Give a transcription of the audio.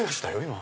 今。